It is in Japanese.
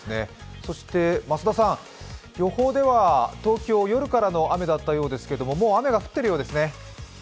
そして増田さん、予報では東京、夜からの雨だったようですけどもう雨が降っているようですね。